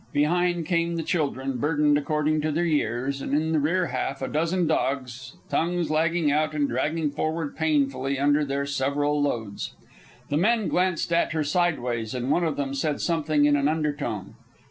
Behind came the children burdened according to their years, and in the rear half a dozen dogs, tongues lagging out and dragging forward painfully under their several loads. The men glanced at her sideways, and one of them said something in an undertone.